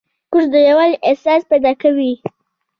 کورس د یووالي احساس پیدا کوي.